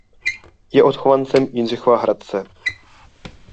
Je odchovancem Jindřichova Hradce.